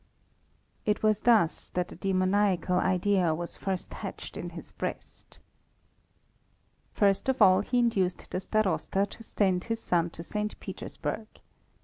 It was thus that the demoniacal idea was first hatched in his breast. First of all, he induced the Starosta to send his son to St. Petersburg.